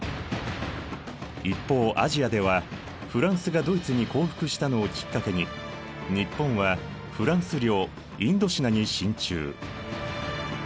一方アジアではフランスがドイツに降伏したのをきっかけに日本はフランス領インドシナに進駐。